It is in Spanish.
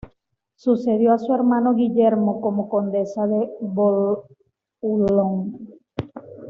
Sucedió a su hermano Guillermo como condesa de Boulogne.